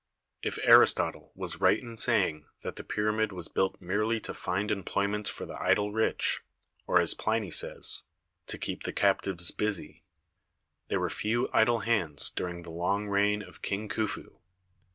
If Aristotle was right in saying that the pyramid was built merely to find employment for the idle 30 THE SEVEN WONDERS rich, or, as Pliny says, to keep the captives busy, there were few idle hands during the long reign of King Khufu.